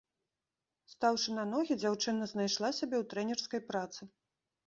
Стаўшы на ногі, дзяўчына знайшла сябе ў трэнерскай працы.